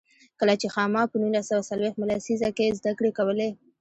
کله چې خاما په نولس سوه څلوېښت مه لسیزه کې زده کړې کولې.